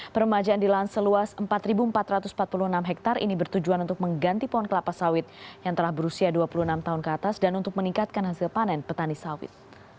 peremajaan di lahan seluas empat empat ratus empat puluh enam hektare ini bertujuan untuk mengganti pohon kelapa sawit yang telah berusia dua puluh enam tahun ke atas dan untuk meningkatkan hasil panen petani sawit